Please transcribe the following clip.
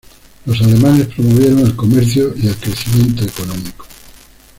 Los alemanes promovieron el comercio y el crecimiento económico.